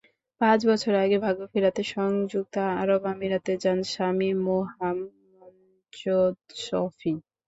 পাঁচ বছর আগে ভাগ্য ফেরাতে সংযুক্ত আরব আমিরাতে যান স্বামী মুহামঞ্চদ শফি।